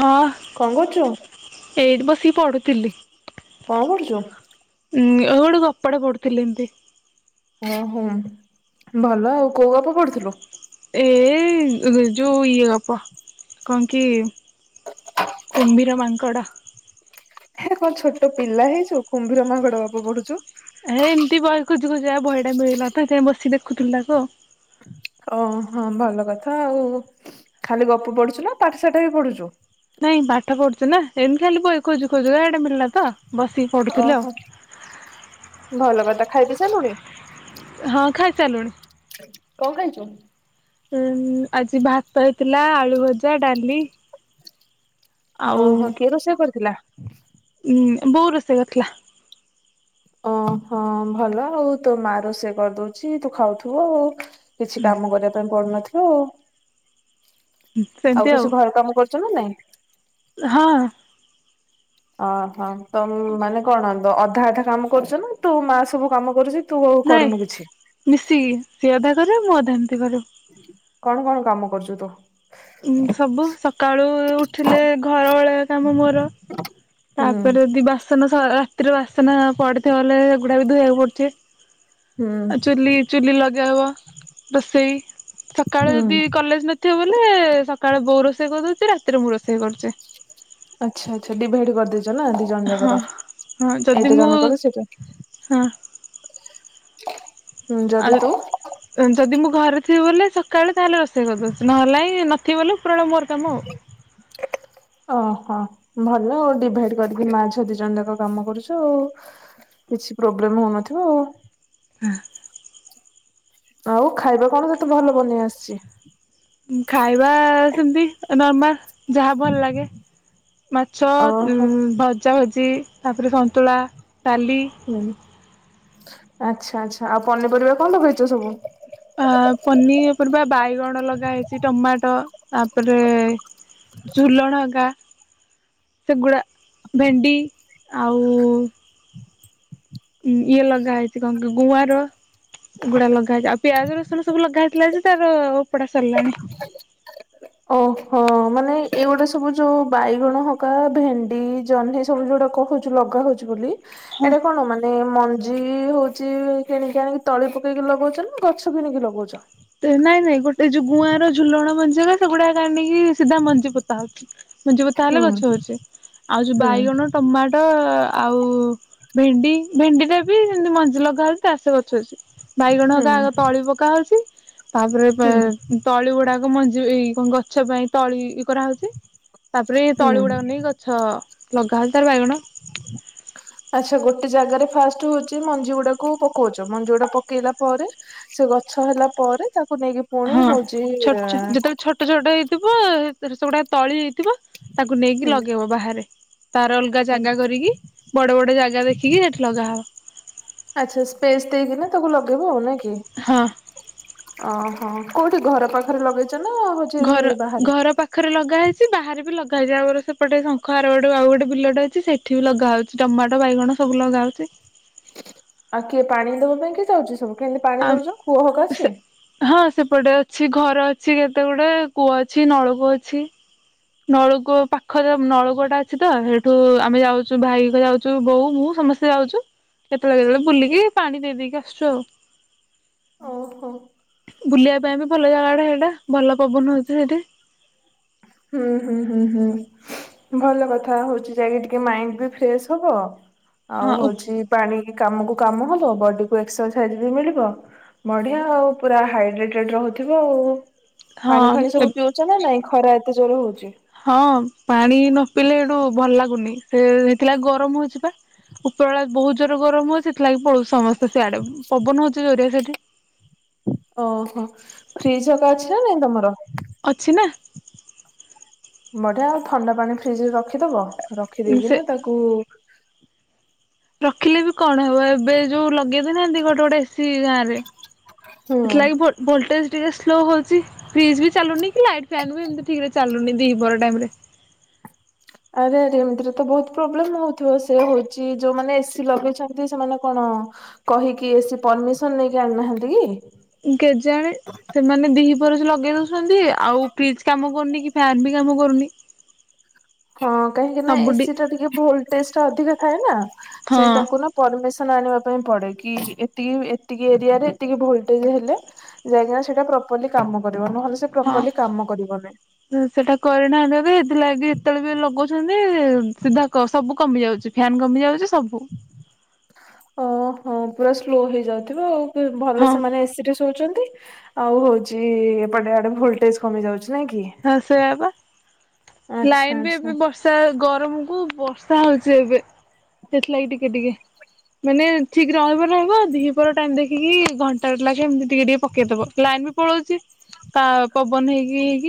ହଁ କଣ କରୁଛୁ? ଏଇଠି ବସି ପଢୁ ତିିଲି କଣ କରୁଛୁ। ଉଁ ଗୋଟେ ଗପଟେ ପଡୁଥିଲି ଏମିତି। ଓହୋ ଭଲ ଆଉ କୋଉ ଗପ ପଢୁଥିଲୁ। ଏ ଯୋଉ ଇଏ ଗପ କଣ କି, କୁମ୍ଭୀର ମାଙ୍କଡ଼। ହେ କଣ ଛୋଟ ପିଲା ହେଇଛୁ କୁମ୍ଭୀର ମାଙ୍କଡ ଗପ ପଢୁଛୁ। ହେ ଏମତି ବ [inaudible] ଯାହେଉ ବହିଟା ମିଳିଲା ସେଥିପାଇଁ ତ ବସି [inaudible] ଓ ହଁ ଭଲ କଥା ଆଉ ଖାଲି ଗପ ପଢୁଛୁ ନା ପାଠଶାଠ ବି ପଢୁଛୁ। ନାଇଁ ପାଠ ପଢୁଛିନା ଏମିତି ଖାଲି ବହି ଖୋଜୁ ଖୋଜୁ ଏଟାମିଳିଲା ତ। ବସିକି ପଢ଼ୁଥିଲି ଓହୋ ଆଉ। ଭଲ କଥା ଖାଇ ପିଇ ସାରିଲୁଣି? ହଁ ଖାଇ ସାରିଲୁଣି। କଣ ଖାଇଛୁ? ଉଁ ଆଜି ଭାତ ହେଇ ଥିଲା ଆଳୁ ଭଜା, ଡାଲି ଆଉ ଓହୋ କିଏ ରୋଷେଇ କରିଥିଲା? ଉଁ ବୋଉ ରୋଷେଇ କରିଥିଲା। ଓ ହଁ ଭଲ ଆଉ ତୋ ମା ରୋଷେଇ କରିଦଉଛି ତୁ ଖାଉଥିବୁ ଆଉ। କିଛି କାମ କରିବା ପାଇଁ ପଡୁନଥିବ। [unintelligible] ସେମିତି ଆଉ କିଛି ଘର କାମ କରୁଛ ନା ନାଇଁ? ହଁ। ଓହୋ ତ ମାନେ କଣ ତ ଅଧା ଅଧା କାମ କରୁଛୁ ନା ତୁ, ମା ସବୁ କାମ କରୁଚି ନାଇଁ ମିଶିକି ସିଏ ଅଧା ରେ ମୁଁ ଅଧାରେ। କେବେଠୁ କଣ କଣ କାମ କରୁଛୁ ତୁ? ଉ ସବୁ ସକାଳୁ ଉଠିଲେ ଘର ଓଳେଇଆ କାମ ମୋର ହୁଁ ତାପରେ ଯଦି ବାସ ବାସନ ରାତିରେ ବାସନ ପଡିଥିବ ବଲେ ଏଗୁଡା ବି ଧୋଇବାକୁ ପଡୁଛି । ହୁଁ ଆ ଚୁଲି ଚୁଲି ଲଗେଇ ବ ରୋଷେଇ ସକାଳେ ହୁଁ ଯଦି କଲେଜ ନଥିବ ନଥିଲେ ସକାଳେ ବୋଉ ରୋଷେଇ କରିଦଉଛି ରାତିରେ ମୁଁ ରୋଷେଇ କରୁଛି। ଆଚ୍ଛା ଆଚ୍ଛା ଡିଭାଇଡି କରିଦେ ଇଚ ନା ଦି ଜଣ ହଁ ଜାକର ହଁ ଯଦି ଏଟା ମୁଁ ଜଣକର ସେଇଟା ହଁ ହୁଁ ଯଦି ତୁ ଆଉ ଯଦି ମୁଁ ଘରେ ଥିବି ବୋଲେ କାଳେ ତାହେଲେ ରୋଷେଇ କରିଦଉଛି। ନହେଲେ ନାଇଁ ନଥିବ ବୋଲି ଓହୋ। ଭଲ ଆଉ ଡିଭାଇଡ କରିକି ମା ଛୁଆ ଦି ଜଣ ଯାକ କାମ କରୁଚ ଆଉ। କିଛି ପ୍ରୋବ୍ଲେମ୍ ହଉନଥିବ ଆଉ। ହ। ଆଉ ଖାଇବା କଣ ସେତେ ଭଲ ବନେଇ ଆସିଛି । ନର୍ମାଲ୍ ଯାହା ଭଲ ଲାଗେ। ମାଛ ଓହୋ ଭଜା ଭଜି। ତାପରେ ସନ୍ତୁଳା। ତାଲି। ହୁଁ ଆଚ୍ଛା ଆଚ୍ଛା ଆଉ ପନିପରିବା କଣ ଲଗେଇଛ ସବୁ। ପନିରପରିବା ବାଇଗଣ ଲଗା ହେଇଛି। ଟମାଟୋ ତାପରେ ଝୁଲଣଗକା ସେଗୁରା ଭେଣ୍ଡି ଆଉ ଉ ଇଏ ଲଗା ହେଇଛି କଣ କି ଙ୍ଗୁଆଁର। ଗୁଡା ଲଗା ହେଇଛି। ଆଉ ପିଆଜ ରସୁଣ ସବୁ ଲଗା ହେଇଥିଲା ଯେ ସାର୍। ପଢା ସରଲାଣି। ଓହୋ ମାନେ ଏଇ ଗୋଟେ ସବୁ ଯୋଉ ବାଇଗଣ ହକା ଭେଣ୍ଡି ଜହ୍ନି ସବୁ ଯୋଉଟା କଉଛୁ ଲଗା ହଉଛି ବୋଲି ହଁ ଏଇଟା କଣ ମାନେ ମଞ୍ଜ ଯ ହଉଛି କିଣିକି ଆଣିକି ତଳି ପକେଇକି ଲଗଉଛ ନା ଗଛ କିଣିକି ଲଗଉଛ। ନାଇଁ ନାଇଁ ଗୋଟେ ସେ ଗୁଆଁର ଝୁଲଣ ମଞ୍ଜି ସେଗୁଡା କାଣିକି ସିଧା ମଞ୍ଜି ପୋତା ହେଉଛି। ମଞ୍ଜି ପୋତା ହୁଁ। ହେଲେ ଗଛ ହେଉଛି। ଆଉ ଯେଉଁ ହୁଁ ବାଇଗଣ ଟମାଟୋ ଆଉ ଭେଣ୍ଡି ଭେଣ୍ଡି ଟା ବି ସେମିତି ମଞ୍ଜି ଲଗା ହେଲେ ଆସେ ଗଛ ଅଛି। ବାଇଗଣ ହୁଁ ହେକା ଆଗ ତଳି ପକା ହେଉଛି। ତାପରେ ପେ ହୁଁ ତଳି ଗୁଡାକ ମଞ୍ଜି ଏଇ କଣ ଗଛ ପାଇଁ ତଳି କରାହଉଛି। ତାପରେ ହୁଁ। ତଳି ଗୁଡାକ ନେଇ ଗଛ ଲଗା ହଉଛି ତାର ବାଇଗଣ। ଆଚ୍ଛା ଗୋଟ୍ ଗୋଟେ ଜାଗାରେ ଫାଷ୍ଟ ହଉଛି ମଞ୍ଜି ଗୁଡାକୁ ପକଉଛ। ମଞ୍ଜି ଗୁଡା ପକେଇଲା ପରେ ସେ ଗଛ ହେଲା ପରେ ତାକୁ ନେଇକି ପୁଣି ହଁ ହଉଛି ଛୋଟ ଯେତେବେଳେ ଛୋଟ ଛୋଟ ହେଇଥିବ ସେଗୁଡା ତଳି ଥିବ ତାକୁ ନେଇକି ଲଗେଇବ ବାହାରେ ତାର ଅଲଗା ଜାଗା କରିକି ବଡ ବଡ ଜାଗା ଦେଖିକି ସେଠି ଲଗାହବ ଆଛା ସ୍ପେସ ଦେଇକିନା ତାକୁ ଲଗେଇବ ଆଉ ନାଇ କି ହଁ ଓହୋ କୋଉଠି ଘର ପାଖରେ ଲଗେଇ ଘର ଘର ପାଖରେ ଲଗା ହେଇଛି ବାହାରେ ବି ଲଗ ଖାଇାର ସେପଟେ ଶଙ୍ଖ ଆର ଗୋଟେ ଆଉ ଗୋଟେ ବିଲଟ ଅଛି ସେଠି ବି ଲଗା ହଉଛି ଟମାଟୋ ବାଇଗଣ ସବୁ ଲଗା ହଉଛି। ଆଉ କିଏ ପାଣି ଦବା ପାଇଁ କି ଯାଉଛି ସବୁ କେମିତି ପାଣି ଆ ଦଉଛ ଖୁହହୋକ ଅଛି। ସେ ହଁ ସେପଟେ ଅଛି ଘର ଅଛି କେତେ ଗୁଟେ କୂଅ ଅଛି ନଳକୂଅ ଅଛି। ନଳକୂଅ ପାଖରେ ନଳକୂଅ ଟା ଅଛି ତ ସେଇଠୁ ଆମେ ଯାଉଛୁ ଭାଇ ଯାଉଛୁ ବୋଉ ମୁହୁ ସମସ୍ତେ ଯାଉଛୁ କେତେବେଳେ କେତେବେଳେ ବୁଲିକି ପାଣି ଦେଇ ଦେଇକି ଆସୁଛୁ ଆଉ। ଓହୋ । ବୁଲିବା ପାଇଁ ବି ଭଲ ଜାଗାଟା ସେଇଟା ଭଲ ପବନ ହଉଛି ସେଇଠି । ହୁଁ ହୁଁ ହୁଁ ହୁଁ ଭଲ କଥା ହଉଛି ଯାଇକ ଟିକେ ମାଇଣ୍ଡ ବି ଫ୍ରେଶ ହବ ହଁ ଆଉ ଉ ହଉଛି ପାଣି କାମକୁ କାମ ହେବ, ବଡିକୁ ଏକ୍ସରସାଇଜ୍ ବି ମିଳିବ। ବଢ଼ିଆ ଆଉ, ପୁରା ହାଇଡ୍ରେଟେଡ୍ ରହୁଥିବ। ପାଣି ହଁ ଫାଣି ସବୁ ଏବ୍ ପିଉଛ ନା ନାଇଁ । ଖରା ଜରୁର ହଁ ପାଣି ନ ପିଇଲେ ଏଠୁ ଭଲ ଲାଗୁନି ସେ ହେଇଥିଲାଗି ଗରମ ହଉଛି ବା ଉପର ବଳେ ବହୁତ ଜୋର ଗରମ ହଉଛି ସେଥିଲାଗି ପଳଉ ସମସ୍ତେ ତ ସେଆଡେ ପବନ ହଉଛି ଜରିଆ ସେ [inaudible] ଓହୋ ଫ୍ରିଜ୍ ହଗା ଅଛି ନା ନାଇଁ ତମର । ଅଛି ନା । ବଢିଆ ଆଉ ଥଣ୍ଡା ପାଣି ଫ୍ରିଜ ରେ ରଖିଦବ ସେ ରଖିଦେଇକିନା ତାକୁ [inaudible] ରଖିଲେ ବି କଣ ହବ ଏବେ ଯୋଉ ଲଗେଇଦନାହାନ୍ତି ଗୋଟେ ଗୋଟେ ସି ଗାଁ ରେ ହୁଁ ଏଥିଲାଗି ଭୋଲ ଭୋଲଟେଜ ଟେ ସ୍ଲୋ ହେଉଛି ଫ୍ରିଜ୍ ବି ଚାଲୁନି । ଲାଇଟ ଫେନ୍ ବି ଏମିତି ଠିକରେ ଚାଲୁନି । [inaudible] ବରା ଟାଇମରେ ଆରେ ଏମିତିରେ ତ ବହୁତ ପ୍ରୋବ୍ଲେମ ହଉଥିବ ସେ ହଉଛି ଯୋଉମାନେ ଏସି ଲଗେଇଛନ୍ତି ସେମାନେ କଣ କହିକି ଏସି ପରମିସନ ନେଇକି ଆଣିନାହାନ୍ତି କି? କେଜାଣେ ସେମାନେ ଦି ର ସେ ଲଗେଇ ଦଉଛନ୍ତି ଆଉ ଫ୍ରିଜ କାମ କରୁନି କି ଫ୍ୟନ୍ ବି କାମ କରୁନି । ହଁ କାହିଁକି ନା ଏସି ଟା ଟିକେ ଭୋଲଟେଜ ଟା ଅଧିକା ହେ ନା ସେଇ ହଁ ତାକୁ ନା ପରମିସନ ଆଣିବା ପାଇଁ ପଡେ କି ଏତିକି ଏତିକି ଏରିଆରେ ଏତିକି ଭୋଲଟେଜ ହେଲେ ଯାଇକି ନା ସେଟା ପ୍ରପରଲି କାମ କ ହଁ ସେଟା କରିନା ଦେବେ ଏଥିଲାଗି କେତେବେଳ ବି ଲଗୁଉଛନ୍ତି। ସିଧା କ ସବୁ କମି ଯାଉଛି ଫ୍ୟାନ୍ କମି ଯାଉଛି ସବୁ ଓ ହଁ ପୁରା ସ୍ଲୋ ହେଇଯାଉଥିବ ଆଉ। ଭଲ ହଁ ସେମାନେ ଏସି ରେ ଶୋଉଛନ୍ତି। ଆଉ ହଉଛି ଏପଟେ ଆଡେ ଭୋଲଟେଜ କମି ଯାଉଛି। ନାଇଁ କି ହଁ ସେୟବା ଆଚ୍ଛା ଲାଇନ ବି ଆଚ୍ଛା। ଏବେ ବର୍ଷା ଗରମକୁୁ ବର୍ଷା ହଉଛି ଏବେ ସେଥିଲାଗି ଟିକେ ଟିକେ ମାନେ ଠିକ ରହିବ ରହିବ ଦିପର ଟାଇମ ଦେଖିକି ଘଣ୍ଟା ଲାଗେ ଏମତି ଟିକେ ଟିକେ ପକେଇଦବ ଲାଇନ ବି ପଳଉଛି ତା ପବନ ହେଇକି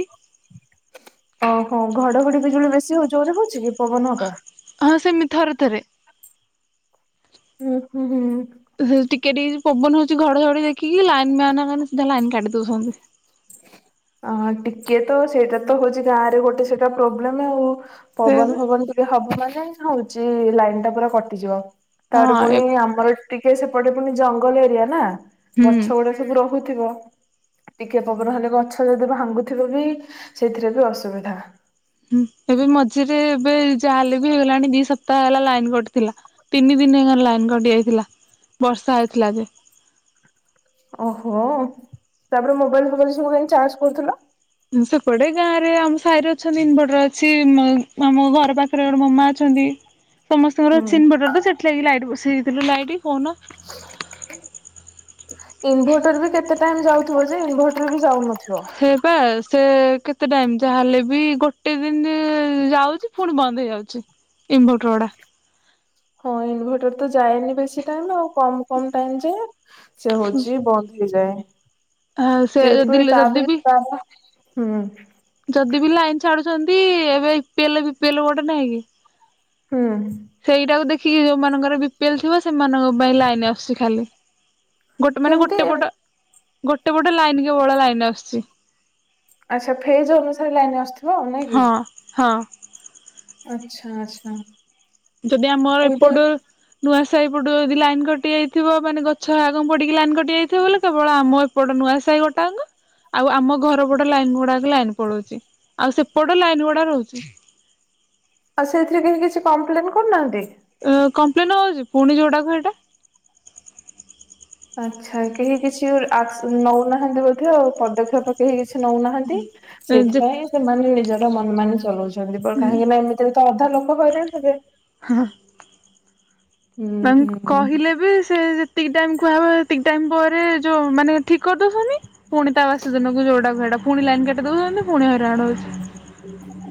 ଓ ହୋ ଘଡଘଡି ବିଜୁଳି ବେଶୀ ଯୋରେ ହଉଛି କି। ପବନ ହକା? ହଁ ସେମିତି ଥରେ ଥରେ। ହୁଁ ହୁଁ ହୁଁ। ଟିକେ ପବନ ହଉଛି ଘଡଝଡି ଦେଖିକି ଲାଇନ ମ୍ୟାନ ଲାଇନ କାଟି ଦଉଛନ୍ତି। ଅ ଟିକେ ତ ସେଇଟା ତ ହଉଛି ଗାଁ ରେ ଗୋଟେ ସେଇଟା ପ୍ରୋବ୍ଲେମ ଆଉ। ସେ ପବନ ଫବନ ଟିକେ ହବ ମାନେ ହଉଛି ଲାଇନ ଟା ପୁରା କଟିଯିବ। ହଁ ତାର ପୁଣି ଆମର ଟିକେ ସେ ସେପଟେ ପୁଣି ଜଙ୍ଗଲ ଏରିଆ ନା। ହୁଁ ଗଛ ଗୁଡା ସବୁ ରହୁଥିବ। କି ପବନ ହେଲେ ଗଛ ଯଦି ଭାଙ୍ଗୁଥିବ ବି ସେଥିରେ ବି ଅସୁବିଧା। ହୁଁ ଏବେ ମଝିରେ ଏବେ ଯାହା ହେେଲେ ବି ହେଇଗଲାଣି ଦି ସପ୍ତାହ ହେଲା ଲାଇନ କଟିଥିଲା ତିନି ଦିନ ହେ ଲାଇନ୍ କଟି ଯାଇଥିଲା ବର୍ଷା ହେଇଥିଲା ଯେ ଓହୋ ତାପରେ ମୋବାଇଲ ଫୋବାଇଲ ସବୁ କେମିତି ଚାର୍ଜ କରୁଥିଲ? ସେପଟେ ଗାଁ ରେ ଆମ ସାହିର ଅଛନ୍ତି ଇନ ବଟର ଅଛି ଆମ ଘର ପାଖରେ ଗୋଟେ ମାମା ଅଛନ୍ତି। ସମସ୍ତଙ୍କର ହୁଁ, ଚନ୍ ବଟର ତ ସେଠ ଲାଗି ଲାଇଟ୍ ବେଇଥିଲୁ ଲାଇଟ୍ ଫୋନ ଇନ୍ଭର୍ଟର ବି ଯାଉ ହେ ବା ସେ କେତେ ଟାଇମ ଯାହାହେଲେ ବି ଗୋଟେ ଗୋଟେ ଦିନ ଯାଉଛି ପୁଣି ବନ୍ଦ ହେଇଯାଉଛି ଇନଭଟରଗୁଡା। ହଁ ଇନଭଟର ତ ଯାଏନି ବେଶୀ ଟାଇମ ଆଉ। କମ କମ ଟାଇମ ଯେ ସେ ହଉଛି ବନ୍ଦ ହେଇଯାଏ। ଆଉ ସେ ସେପ ଯଦି ଯଦି ତାପ ବି ରେ ହୁଁ ଯଦି ବି ଲାଇନ ଛାଡୁଛନ୍ତି ଏବେଲଲ ଗୋଟେ ନାହିଁ କି? ହୁଁ ସେଇଟାକୁ ଦେଖି କି ଯୋଉମାନାନଙ୍କର ବି ପିଏଲ ଥିବ ସେମାନଙ୍କ ପାଇଁ ଲାଇନ ଆସୁଛି ଖାଲି। ଗୋଟେ ମାନେ କେମିତି ଗୋଟେ ପଟ ଗୋଟେ ଗୋଟେ ଲାଇନ କି ବଡ ଲାଇନରେ ଆସୁଛି। ଆଚ୍ଛା ଫେଜ ଅନୁସାରେ ଲାଇନ ଆସଥିବ ଆଉ ନା କି? ହଁ ହଁ। ଆଛା ଆଛା ଯଦି ଆମର ଏପଟୁ ନୂଆ ସାଇ ପଟ ଯଦି ଲାଇନ କଟି ଯାଇଥିବ ମାନେ ଗଛ ଆଗ ପଡିକି ଲାଇନ କ କଟି ଯାଇଥିବା ବୋଲି କେବଳ ଆମ ଏପ ସେପଟ ନୂଆ ସାହି ଗୋଟା ଙ୍କ ଆଉ ଆମ ଘର ପଟ ଲାଇନ୍ ଗୁଡ଼ାକ ଲାଇନ୍ ପଳଉଛି ଆଉ ସେପଟ ଲାଇନ୍ ଗୁଡ଼ା ରହୁଛି। ଆଉ ସେଥିରେ କେହି କିଛି କମ୍ପ୍ଲେନ୍ କରୁନାହାନ୍ତି। କମ୍ପ୍ଲେନ୍ ହଉଛି ପୁଣି ଯୋଉଟା କୁ ହେଇଟା। ଆଚ୍ଛା କେହି କିଛି ଆକ୍ସ ନଉନାହାନ୍ତି ବୋଧେ ପଦକ୍ଷେପ କେହି କିଛି ନଉନାହାନ୍ତି ଯେ ସେଇଥିପାଇଁ ସେମାନେ ନିଜ ର ମନ ମାନି ଚଲଉଚନ୍ତି ଚନ୍ତି କାହିଁକି ନା ଏମିତି ରେ ତ ଅଧା ଲୋକ୍ ହଇରାଣ ହେବେ। ହଁ ହୁଁ ତାଙ୍କ୍ ହୁଁ କହିଲେ ବି ସେ ଯେତିକ ଟାଇମ୍ କୁହା ହବ ସେତିକ ଟାଇମ୍ ପରେ ଯୋଉ ମାନେ ଠିକ୍ କରିଦେଉଛନ୍ତି। ଫୁଣି ତା ବାସୀ ଦିନକୁ ଯୋଉଟା କୁ ହେଇଟା। ଫୁଣି ଲାଇନ୍ କାଟି ଦଉଛନ୍ତି ପୁଣି ହଇରାଣ ହଉଛୁ।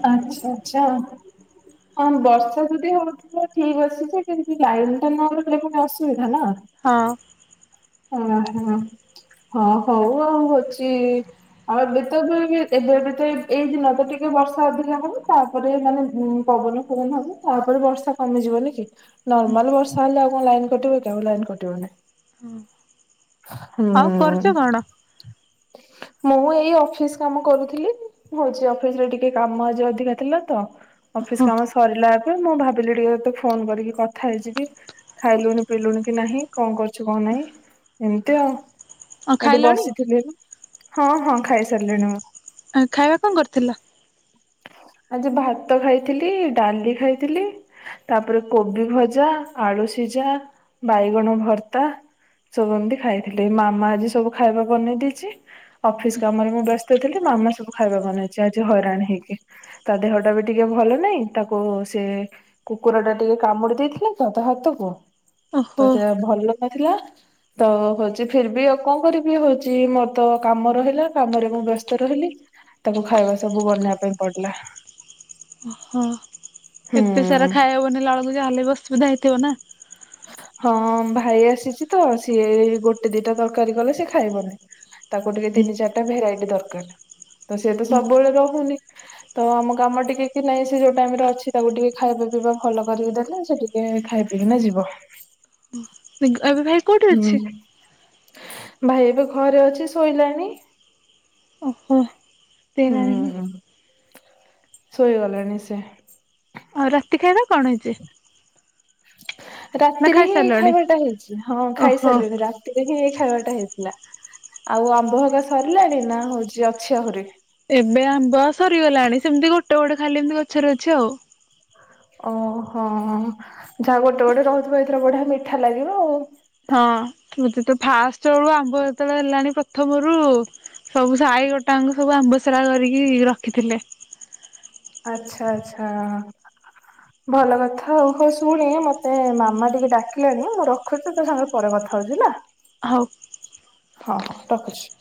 ଆଛା ଆଛା ହଁ ବର୍ଷା ଯଦି ହଉଥିବ ଠିକ୍ ଅଛି ଯେ କିନ୍ତୁ ଲାଇନ୍ ଟା ନ ରହିଲେ ଫୁଣି ଅସୁବିଧା ନା। ହଁ ଓହୋ ହଁ ହଉ ଆଉ ହଉଛି ଆଉ ଏବେ ତ ଏବେ ଏବେ ତ ଏଇ ଦିନ ତ ଟିକେ ବର୍ଷା ଅଧିକା ହବ ତାପରେ ମାନେ ଉ ପବନ ପବନ ହବ ତାପରେ ବର୍ଷା କମିଯିବନି କି ନର୍ମାଲ ବର୍ଷା ହେଲେ ଆଉ ତମ ଲାଇନ୍ କଟିବ କି ଆଉ ଲାଇନ୍ କଟିବନି। ହୁଁ ଆଉ ହୁଁ। କରୁଚ କଣ? ମୁଁ ଏଇ ଅଫିସ୍ କାମ କରୁଥିଲି। ହଉଛି ଅଫିସ୍ ରେ ଟିକେ କାମ ଆଜି ଅଧିକା ଥିଲା ତ ଅଫିସ୍ ହଁ କାମ ସରିଲା ମୁଁ ଭାବିଲି ଟିକେ ତତେ ଫୋନ କରିକି କଥା ହେଇଯିବି ଖାଇଲୁଣି ପିିଇଲୁଣି କି ନାହିଁ କଣ କରୁ କିଛି କଣ ନାହିଁ ଏମିତି ଆଉ ଆଉ ଏଠି ଖାଇଲଣି ବସିଥିଲି । ହଁ ହଁ ଖାଇ ସାରିଲିଣି ମୁଁ। ଆ ଖାଇବା କଣ କରିଥିଲ? ଆଜି ଭାତ ଖାଇଥିଲି ଡାଲି ଖାଇଥିଲି ତାପରେ କୋବି ଭଜା ଆଳୁ ସିଝା ବାଇଗଣ ଭର୍ତ୍ତା ସବୁ ଏମିତି ଖାଇଥିଲି ମାମା ଆଜି ସବୁ ଖାଇବା ବନେଇ ଦେଇଛି [inaudible] ଅଫିସ୍ କାମରେ ମୁଁ ବ୍ୟସ୍ତ ସେ ଥିଲେ ମାମା ସବୁ ଖାଇବା ବନେଇଛି ଆଜି ହଇରାଣ ହେଇକି ତା ଦେହ ଟା ବି ଟିକେ ଭଲ ନାଇଁ ତାକୁ ସେ କୁକୁର ଟା ଟିକେ କାମୁଡ଼ି ଦେଇଥିଲା ତ ତା ହାତକୁ। ଓହୋ ଭଲ ଥିଲା ତ ହଉଛି ଫିର୍ ବି ଆଉ କଣ କରିବି ହଉଛି ମ ତ କାମ ରହିଲା କାମରେ ମୁଁ ବ୍ୟସ୍ତ ରହିଲି ତାକୁ ଖାଇବା ସବୁ ବନେଇବା ପାଇଁ ପଡ଼ିଲା। [unintelligible] ହଁ ଏତେ ସାରା ଖାଇହବନି ଲାଳକୁ ଯାହାଲେ ବି ଅସୁବିଧା ହେଇ ନା ହଁ ଭାଇ ଆସିଛି ତ ସିଏ ଗୋଟେ ଦିଟା ତରକାରୀ କଲେ ସିଏ ଖାଇବନି। ତାକୁ ଟିକେ ତିନି ଚାରିଟା ଭେରାଇଟି ଦର୍ କାରଣ। ତ ସେ ତ ହଁ ସବୁବେଳେ ରହୁନି। ତ ଆମ କାମ ଟିକେ କି ନାଇଁ ସେ ଯୋଉ ଟାଇମ ରେ ଅଛି ତାକୁ ଟିକେ ଖାଇବା ପିଇବା ଭଲ କରିକି ଦେଲେ ସେ ଟିକେ ଖାଇ ପିଇକିନା ଯିବ। ଏବେ ଭାଇ କୋଉଠି ହୁଁ ଅଛି? ଭାଇ ଏବେ ଘରେ ଅଛି ଶୋଇଲାଣି। ଓ ହୋ। ହୁଁ। ଶୋଇଗଲାଣି ସେ। ଆଉ ରାତି ଖାଇବା କଣ ହେଇଛି? ନା ରାତିରେ ହିଁ ଏଇ ଖାଇସାରିଲଣି? ଖାଇବାଟା ହେଇଛି ହଁ ଓହୋ ଖାଇସାରିଲୁଣି ରାତିରେ ହିଁ ଏଇ ଖାଇବାଟା ହେଇଥିଲା। ଆଉ ଆମ୍ବ ହକା ସରିଲାଣି ନା ହଉଛି ଅଛି ଆହୁରି। ଏବେ ଆମ୍ବ ସରିଗଲାଣି ସେମିତି ଗୋଟେ ଗୋଟେ ଖାଲି ଏମିତି ଗଛରେ ଅଛି ଆଉ। ଓହୋ ଯାହା ଗୋଟେ ଗୋଟେ ରହୁଥିବ ଏଥର ବଢିଆ ମିଠା ଲାଗିବ ଆଉ। ହଁ ମୋତେ ତ ଫାଷ୍ଟ ବେଳୁ ଆମ୍ବ ଯେତେବେଳେ ହେଲାଣି ପ୍ରଥମରୁ ସବୁ ସାହି ଗୋଟାଙ୍କୁ ସବୁ ଆମ୍ବ ସେରା କରିକି ରଖିଥିଲେ। ଆଚ୍ଛା ଆଚ୍ଛା ଭଲ କଥା ହଉ ହୋ ଶୁଣେ ମତେ ମାମା ଟିକେ ଡାକିଲାଣି ମୁଁ ରଖୁଛି ତୋ ସାଙ୍ଗରେ ପରେ କଥା ହଉଛି ହେଲା। ହଉ। ହଁ ହୋ ରଖୁଛି।